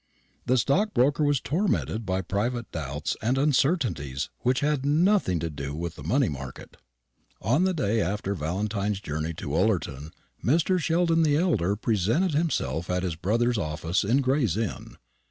The stockbroker was tormented by private doubts and uncertainties which had nothing to do with the money market. On the day after Valentine's journey to Ullerton, Mr. Sheldon the elder presented himself at his brother's office in Gray's Inn.